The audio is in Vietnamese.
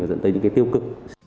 dẫn tới những cái tiêu cực